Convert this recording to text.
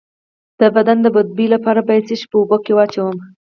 د بدن د بد بوی لپاره باید څه شی په اوبو کې واچوم؟